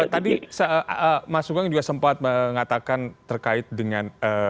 tadi mas sugeng juga sempat mengatakan terkait dengan